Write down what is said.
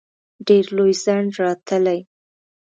ډېر لوی ځنډ راتلی.